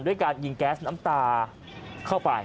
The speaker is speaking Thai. การยิงแก๊สน้ำตาเข้าไป